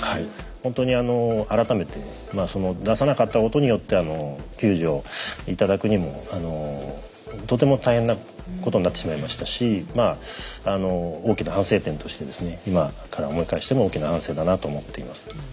ほんとに改めて出さなかったことによって救助頂くにもとても大変なことになってしまいましたしまああの大きな反省点としてですね今から思い返しても大きな反省だなと思っています。